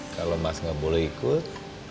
kalau mas nggak boleh ikut